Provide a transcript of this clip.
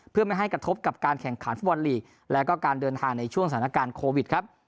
เพื่อไม่ให้กระทบกับการแข่งขันฟุตบอลลีกแล้วก็การเดินทางในช่วงสถานการณ์โควิดครับ